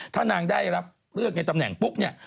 ถ้านางได้รับเลือกในตำแหน่งปุ๊บเนี่ย